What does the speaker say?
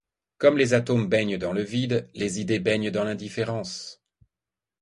Comme les atomes baignent dans le vide, les idées baignent dans l’indifférence.